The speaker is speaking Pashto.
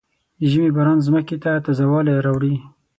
د ژمي باران ځمکې ته تازه والی راوړي.